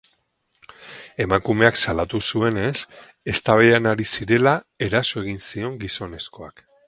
Emakumeak salatu zuenez, eztabaidan ari zirela eraso egin zion gizonezkoak.